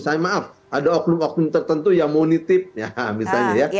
saya maaf ada oknum oknum tertentu yang mau nitip ya misalnya ya